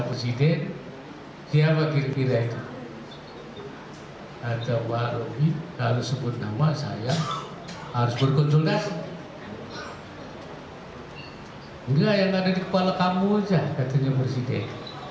enggak yang ada di kepala kamu saja katanya presiden